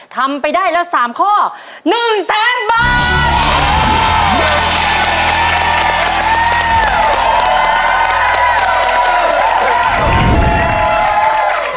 ทำไปได้แล้ว๓ข้อ๑แสนบาท